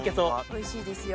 おいしいですよ。